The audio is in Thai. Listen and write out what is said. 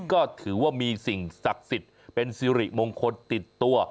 ก็ถือว่ามีสิ่งศักดิ์สิทธิ์เป็นสิริมงคลติดตัว